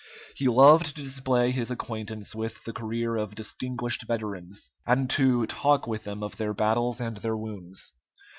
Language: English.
He loved to display his acquaintance with the career of distinguished veterans, and to talk with them of their battles and their wounds.